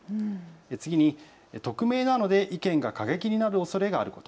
次に匿名なので意見が過激になるおそれがある。